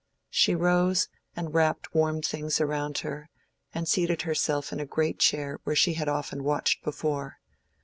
She rose, and wrapped warm things around her, and seated herself in a great chair where she had often watched before.